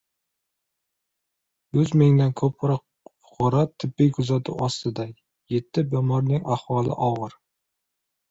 Yuz mingdan ko‘proq fuqaro tibbiy kuzatuv ostida, yetti bemorning ahvoli og‘ir